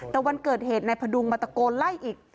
แต่วันเกิดเหตุนายพดุงมาตะโกนไล่อีก